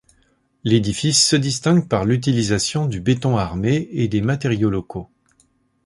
L'édifice se distingue par l'utilisation du béton armé et des matériaux locaux.